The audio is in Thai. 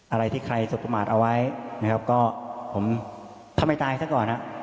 อะไรที่ใครสุขมาตรเอาไว้นะครับก็ผมทำให้ตายซะก่อนฮะ